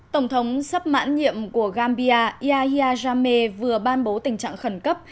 tổng thống sắp mãn nhiệm của gambia yahya jame vừa ban bố tình trạng khẩn cấp